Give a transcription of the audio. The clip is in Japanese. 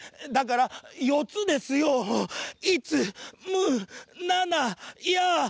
「だからよつですよ。いつむななや。